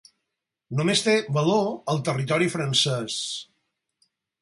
Només té valor al territori francès.